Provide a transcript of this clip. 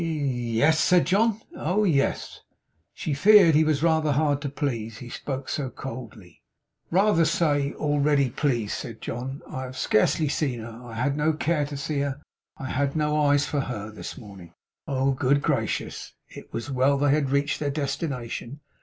'Ye yes,' said John, 'oh, yes.' She feared he was rather hard to please, he spoke so coldly. 'Rather say already pleased,' said John. 'I have scarcely seen her. I had no care to see her. I had no eyes for HER, this morning.' Oh, good gracious! It was well they had reached their destination.